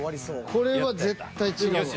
これは絶対違うわ。